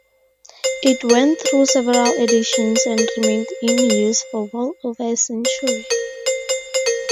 It went through several editions and remained in use for well over a century.